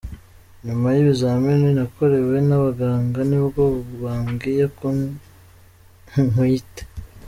Nyuma y’ibizamini nakorewe n’abaganga ni bwo bambwiye ko nkwite.